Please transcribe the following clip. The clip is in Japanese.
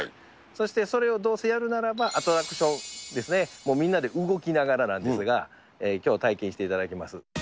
そしてそれをどうせやるならば、アトラクションですね、もうみんなで動きながらなんですが、きょう体験していただきます。